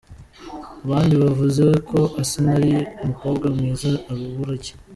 Abandi bavuze ko ‘Asinah ari umukobwa mwiza arabura iki?.